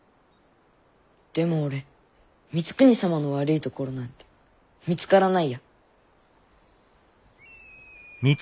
でも俺光圀様の悪いところなんて見つからないや。